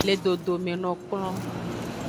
Le dodome no kplon.